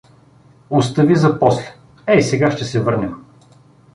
Остави за после, ей сега ще се върнем!